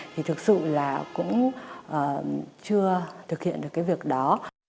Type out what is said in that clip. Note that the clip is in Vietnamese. thì thực sự là cũng chưa thực hiện được cái việc đó